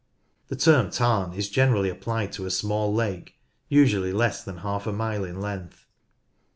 The term tarn is generally applied to a small lake, usually less than half a mile in length.